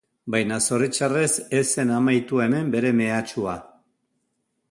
Baina zoritxarrez ez zen amaitu hemen bere mehatxua.